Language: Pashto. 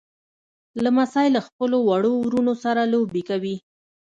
لمسی له خپلو وړو وروڼو سره لوبې کوي.